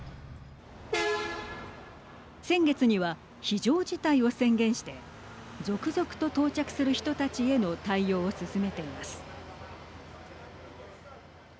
先月には非常事態を宣言して続々と到着する人たちへの対応を進めています。